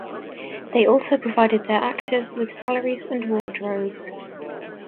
They also provided their actors with salaries and wardrobes.